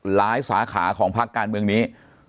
สาขาของพักการเมืองนี้